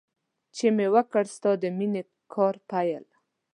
چې مې وکړ ستا د مینې کار پیل.